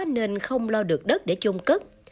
nên không lo được đất để chôn cất